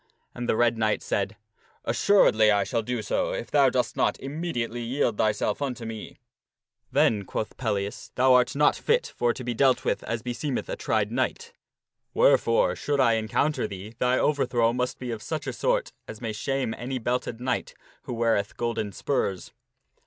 And the Red Knight said, " Assuredly shall I do so if thou dost not immediately yield thyself unto me." " Then," quoth Pellias, " thou art not fit for to be dealt with as be seemeth a tried knight. Wherefore, should I encounter thee, thy over throw must be of such a sort as may shame any belted knight who weareth golden spurs."